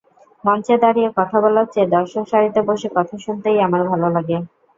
মঞ্চে দাঁড়িয়ে কথা বলার চেয়ে দর্শকসারিতে বসে কথা শুনতেই আমার ভালো লাগে।